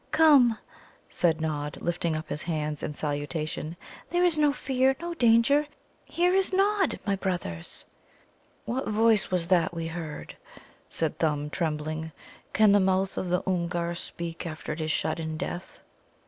"Come," said Nod, lifting up his hands in salutation; "there is no fear, no danger! Here is Nod, my brothers." "What voice was that we heard?" said Thumb, trembling. "Can the mouth of the Oomgar speak after it is shut in death?"